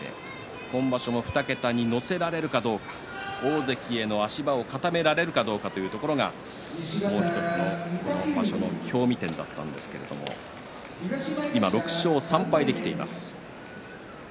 今場所も２桁に乗せられるかどうか大関への足場を固められるかどうかというところがもう１つの場所の興味点だったんですけれども今、６勝３敗できています。